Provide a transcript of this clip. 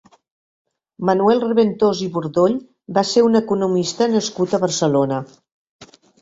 Manuel Reventós i Bordoy va ser un economista nascut a Barcelona.